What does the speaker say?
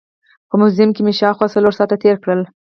په موزیم کې مې شاوخوا څلور ساعت تېر کړل.